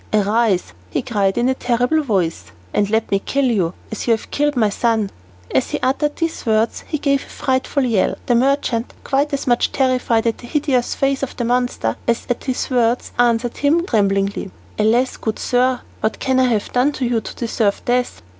"Arise," he cried in a terrible voice, "and let me kill you as you have killed my son!" As he uttered these words he gave a frightful yell. The merchant, quite as much terrified at the hideous face of the monster as at his words, answered him tremblingly, "Alas, good sir, what can I have done to you to deserve death?"